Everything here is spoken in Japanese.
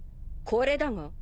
これだが。